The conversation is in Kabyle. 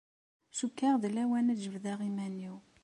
Cukkeɣ d lawan ad jebdeɣ iman-iw.